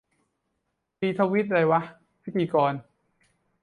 "รีทวีต ไรวะ" - พิธีกร